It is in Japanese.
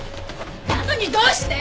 なのにどうして？